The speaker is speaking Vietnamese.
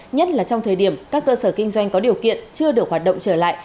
nhất là trong thời điểm các cơ sở kinh doanh có điều kiện chưa được hoạt động trở lại